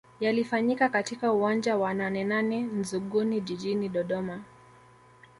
Yalifanyika katika uwanja wa Nanenane Nzuguni Jijini Dodoma